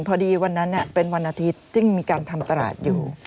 พอดีวันนั้นเป็นวันอาทิตย์จึงมีการทำตลาดอยู่